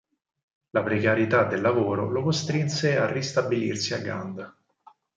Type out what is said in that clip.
La precarietà del lavoro lo costrinse a ristabilirsi a Gand.